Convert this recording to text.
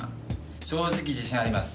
正直自信あります